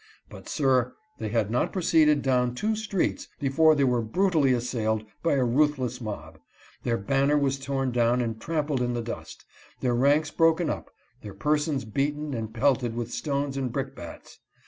But, sir, they had not proceeded down two streets before they were brutally assailed by a ruthless mob ; their banner was torn down and trampled in the dust, their ranks broken up, their persons beaten and pelted with stones and brickbats.